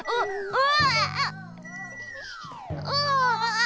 うわ！